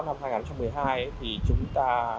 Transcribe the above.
năm hai nghìn một mươi hai thì chúng ta